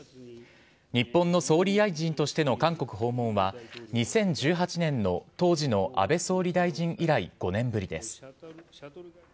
日本の総理大臣としての韓国訪問は、２０１８年の当時の安倍総理大臣以来、５年ぶりです。